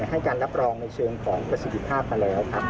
ให้การรับรองในเชิงของประสิทธิภาพมาแล้วครับ